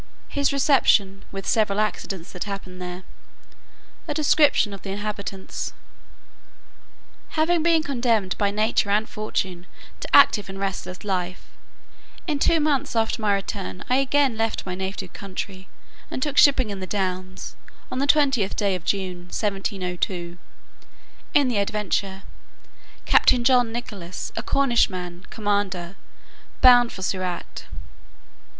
His reception, with several accidents that happened there. A description of the inhabitants. Having been condemned, by nature and fortune, to active and restless life, in two months after my return, I again left my native country, and took shipping in the Downs, on the 20th day of June, 1702, in the Adventure, Captain John Nicholas, a Cornish man, commander, bound for Surat.